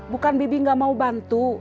bukan bibi gak mau bantu